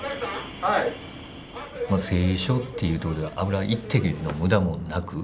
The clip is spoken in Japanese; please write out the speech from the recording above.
製油所っていうとこでは油一滴の無駄もなく。